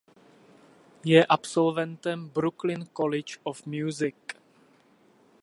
Je absolventem Brooklyn College of Music.